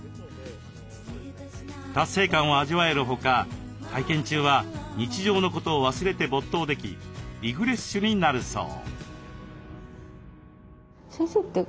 達成感を味わえるほか体験中は日常のことを忘れて没頭できリフレッシュになるそう。